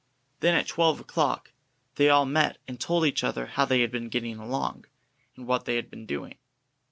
Then at twelve o'clock they all met and told each other how they had been getting along, and what they had been doing.